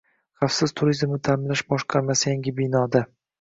Xavfsiz turizmni ta’minlash boshqarmasi yangi binoda